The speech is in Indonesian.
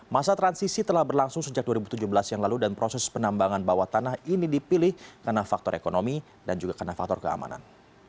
masa transisi telah berlangsung sejak dua ribu tujuh belas yang lalu dan proses penambangan bawah tanah ini dipilih karena faktor ekonomi dan juga karena faktor keamanan